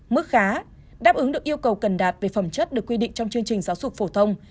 mức khá đáp ứng được yêu cầu cần đạt về phẩm chất được quy định trong chương trình giáo dục phổ thông